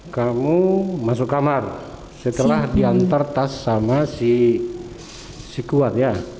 kamu masuk kamar setelah diantar tas sama si kuat ya